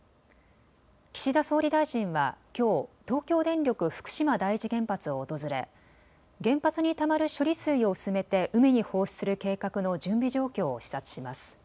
岸田総理大臣はきょう東京電力福島第一原発を訪れ原発にたまる処理水を薄めて海に放出する計画の準備状況を視察します。